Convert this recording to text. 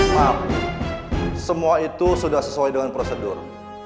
maaf semua itu sudah sesuai dengan prosedur